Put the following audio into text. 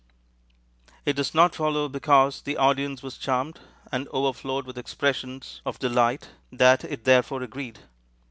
It does not follow, because the audience was charmed, and overflowed with expressions of delight, that it therefore agreed.